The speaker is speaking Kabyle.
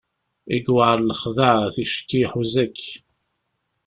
I yewɛer lexdeɛ ticki iḥuz-ak!